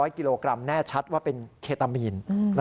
กิโลกรัมแน่ชัดว่าเป็นเคตามีน